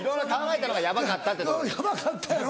「やばかった」やろ？